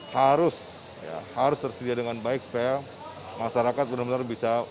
harus ya harus tersedia dengan baik supaya masyarakat benar benar bisa